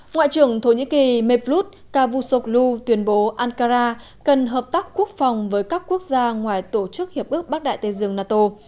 ngoại trưởng thổ nhĩ kỳ mevlut cavusoglu tuyên bố ankara cần hợp tác quốc phòng với các quốc gia ngoài tổ chức hiệp ước bắc đại tây dương nato